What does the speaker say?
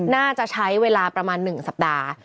น่าจะใช้เวลาประมาณ๑สัปดาห์